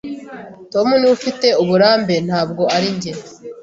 Tom niwe ufite uburambe, ntabwo ari njye.